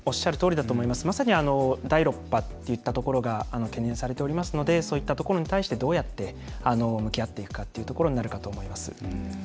まさに第６波といったところが懸念されておりますのでそういったところに対してどうやって向き合っていくかというところになるかと思います。